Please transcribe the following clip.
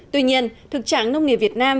tuy nhiên thực trạng nông nghiệp việt nam